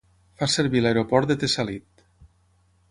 Fa servir l'aeroport de Tessalit.